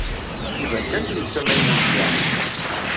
Iban kan kemm d tamaynut da.